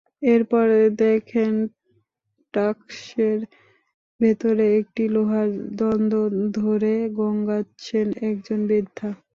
এরপর দেখেন, ট্যাঙ্কের ভেতরে একটি লোহার দণ্ড ধরে গোঙাচ্ছেন একজন বৃদ্ধা।